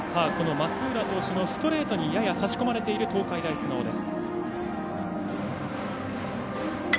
松浦投手のストレートに差し込まれている東海大菅生です。